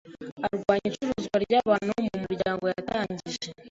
arwanya icuruzwa ry’abantu mu muryango yatangije